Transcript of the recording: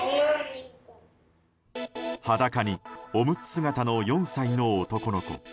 裸にオムツ姿の４歳の男の子。